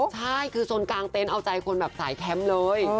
ใช่คือชนกลางเต็นต์เอาใจคนแบบสายแคมป์เลย